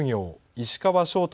石川翔太